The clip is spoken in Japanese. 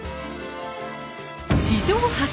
史上初！